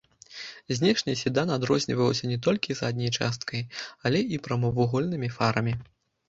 Знешне седан адрозніваўся не толькі задняй часткай, але і прамавугольнымі фарамі.